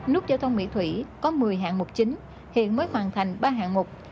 nút giao thông mỹ thủy có một mươi hạng mục chính hiện mới hoàn thành ba hạng mục